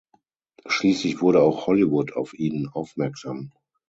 Schließlich wurde auch Hollywood auf ihn aufmerksam.